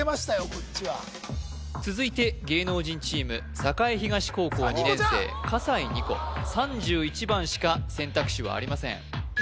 こっちは続いて芸能人チーム栄東高校２年生笠井虹来３１番しか選択肢はありません